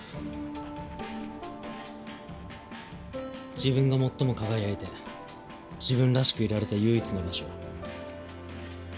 自分が最も輝いて自分らしくいられた唯一の場所。